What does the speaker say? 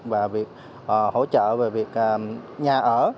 và việc hỗ trợ về việc nhà ở